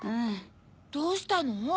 どうしたの？